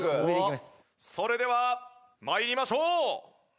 それでは参りましょう。